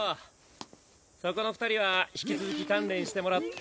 そこの二人は引き続き鍛錬してもらって。